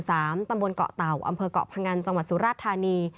ตำบลเกาะเต่าอำเภอกเกาะพงันจังหวัดสุราชธานี